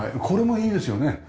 これもいいですよね。